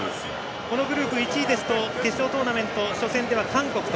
このグループ１位ですと決勝トーナメント初戦では韓国と。